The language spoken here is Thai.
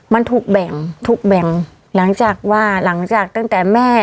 มันถูกแบ่งถูกแบ่งหลังจากว่าหลังจากตั้งแต่แม่